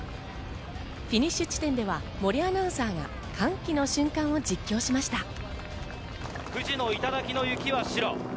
フィニッシュ地点では森アナウンサーが歓喜の瞬間を実況しました。